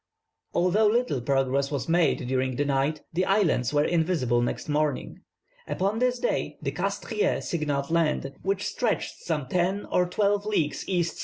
"Although little progress was made during the night, the islands were invisible next morning. Upon this day the Castries signalled land, which stretched some ten or twelve leagues E.S.